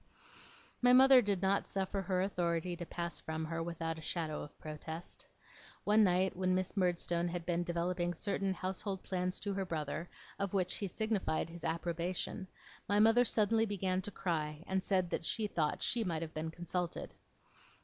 My mother did not suffer her authority to pass from her without a shadow of protest. One night when Miss Murdstone had been developing certain household plans to her brother, of which he signified his approbation, my mother suddenly began to cry, and said she thought she might have been consulted.